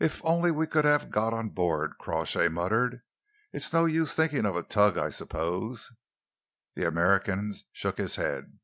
"If only we could have got on board!" Crawshay muttered. "It's no use thinking of a tug, I suppose?" The American shook his head.